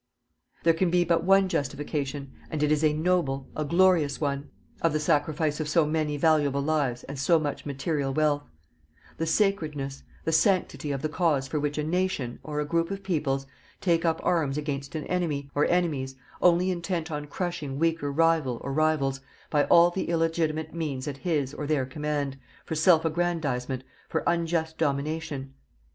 There can be but one justification and it is a noble, a glorious one of the sacrifice of so many valuable lives and so much material wealth: the sacredness, the sanctity of the cause for which a nation, or a group of peoples, take up arms against an enemy, or enemies, only intent on crushing weaker rival, or rivals, by all the illegitimate means at his, or their command, for self aggrandizement, for unjust domination.